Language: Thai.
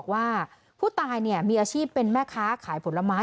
ว่าผู้ตายมีอาชีพเป็นแม่ค้าขายผลไม้